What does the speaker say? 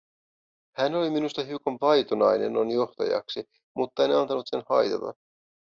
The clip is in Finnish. Hän oli minusta hiukan vaitonainen noin johtajaksi, mutta en antanut sen haitata.